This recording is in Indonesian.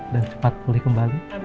dan cepat pulih kembali